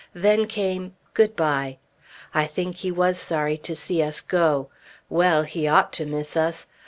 Then came good bye. I think he was sorry to see us go. Well! he ought to miss us!